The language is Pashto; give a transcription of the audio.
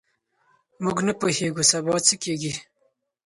موږ نه پوهېږو سبا څه کیږي.